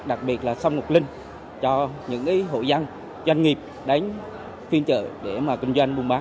đặc biệt là sông ngọc linh cho những hội dân doanh nghiệp đến phiên chợ để mà kinh doanh buôn bán